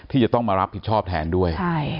ที่จะต้องมารับผิดชอบแทนด้วย